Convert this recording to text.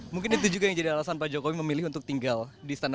mungkin itu juga yang jadi alasan pak jokowi memilih untuk tinggal di sana